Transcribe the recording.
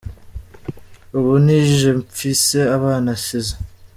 "Ubu ni je mfise abana asize.